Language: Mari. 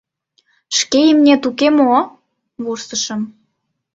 Шке имнет уке мо?» — вурсышым.